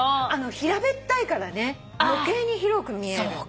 平べったいからね余計に広く見えるね。